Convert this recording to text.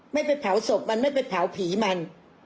ไม่ไปเผาศพมันไม่ไปเผาผีมัน